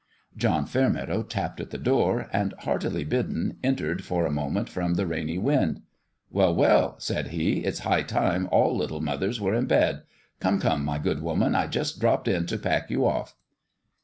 John Fairmeadow tapped at the door, and, heartily bidden, entered for a moment from the rainy wind. " Well, well !" said he ;" it's high time all little mothers were in bed. Come, come, my good woman ! I just dropped in to pack you off."